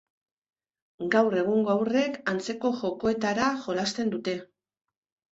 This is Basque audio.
Gaur egungo haurrek antzeko jokoetara jolasten dute.